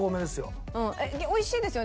美味しいですよね？